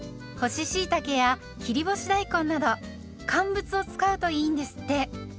干ししいたけや切り干し大根など「乾物」を使うといいんですって。